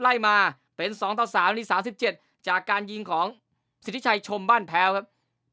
ไล่มาเป็นสองต่อสามนาทีสามสิบเจ็ดจากการยิงของสิทธิชัยชมบ้านแพ้วครับ